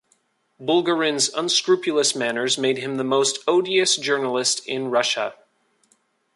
Bulgarin's unscrupulous manners made him the most odious journalist in Russia.